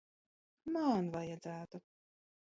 Man vajadzētu?